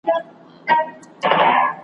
تشه لاسه ته مي دښمن یې